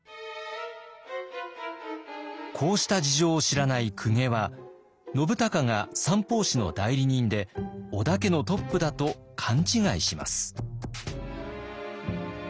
こうした事情を知らない公家は信孝が三法師の代理人で織田家のトップだと勘違いします。